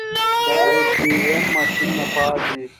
د ای ټي ایم ماشینونه فعال دي؟